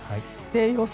予想